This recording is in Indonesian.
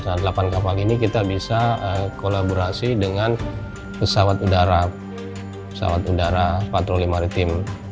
nah delapan kapal ini kita bisa kolaborasi dengan pesawat udara pesawat udara patroli maritim